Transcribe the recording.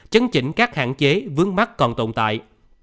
chấn chỉnh các hạn chế vướng mắt còn tồn tại